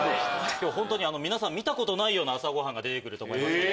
今日皆さん見たことないような朝ごはんが出てくると思います。